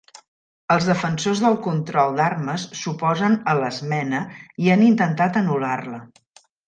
Els defensors del control d'armes s'oposen a l'esmena i han intentat anul·lar-la.